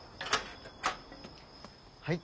はい。